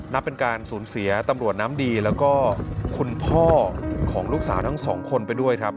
นับเป็นการสูญเสียตำรวจน้ำดีแล้วก็คุณพ่อของลูกสาวทั้งสองคนไปด้วยครับ